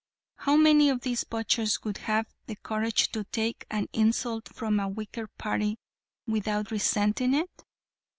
How many of these butchers would have the courage to take an insult from a weaker party without resenting it?